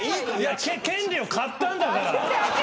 権利を買ったんだから。